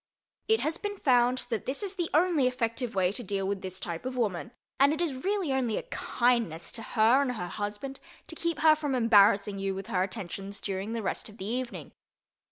It has been found that this is the only effective way to deal with this type of woman and it is really only a kindness to her and her husband to keep her from embarrassing you with her attentions during the rest of the evening.